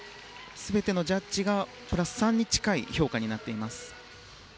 全てのジャッジがプラス３に近い評価になっています。